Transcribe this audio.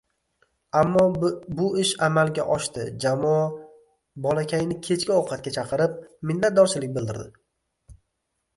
Ammo bu ish amalga oshdi, jamoa bolakayni kechki ovqatga chaqirib, minnatdorchilik bildirdi.